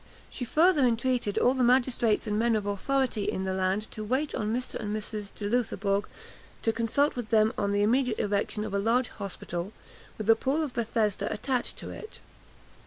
She further entreated all the magistrates and men of authority in the land to wait on Mr. and Mrs. de Loutherbourg, to consult with them on the immediate erection of a large hospital, with a pool of Bethesda attached to it.